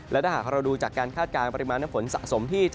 และถ้าหากเราดูจากการคาดการณ์ปริมาณน้ำฝนสะสม